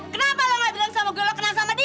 kenapa lo nggak jalan sama gue lo kenal sama dia